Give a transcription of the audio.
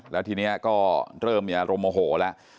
แล้วทีนี้ก็เริ่มรมโอโหแล้ว